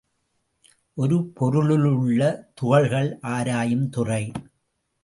ஒரு பொருளிலுள்ள துகள்களை ஆராயுந் துறை.